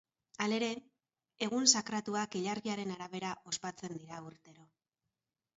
Halere, egun sakratuak ilargiaren arabera ospatzen dira urtero.